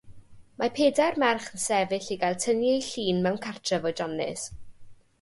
Mae pedair merch yn sefyll i gael tynnu eu llun mewn cartref oedrannus.